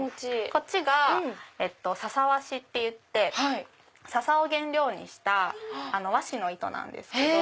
こっちがささ和紙っていってササを原料にした和紙の糸なんですけど。